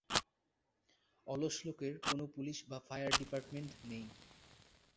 অলস লেকের কোন পুলিশ বা ফায়ার ডিপার্টমেন্ট নেই।